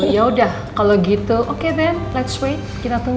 yaudah kalo gitu oke then let's wait